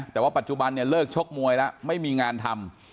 แต่ว่าปัจจุบันเนี่ยเลิกชกมวยแล้วไม่มีงานทำ